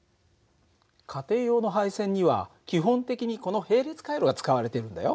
家庭用の配線には基本的にこの並列回路が使われてるんだよ。